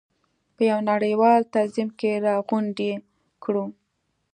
په یو نړیوال تنظیم کې راغونډې کړو.